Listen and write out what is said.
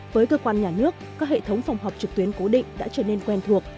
với cơ quan nhà nước các hệ thống phòng họp trực tuyến cố định đã trở nên quen thuộc